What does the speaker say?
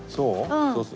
そう？